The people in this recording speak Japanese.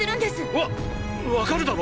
⁉わっわかるだろ？